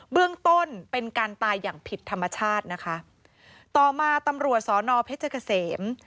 เบื้องต้นเป็นการตายอย่างผิดธรรมชาตินะคะต่อมาตำรวจสอนอเพชรเกษม